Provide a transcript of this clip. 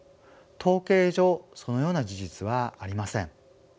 統計上そのような事実はありません。